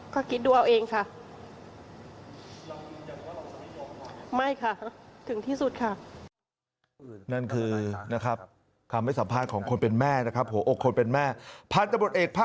ก็คิดดูเอาเองค่ะไม่ค่ะถึงที่สุดค่ะ